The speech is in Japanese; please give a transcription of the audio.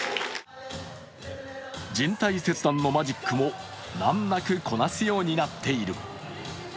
人体切断のマジックも難なくこなすようになっている。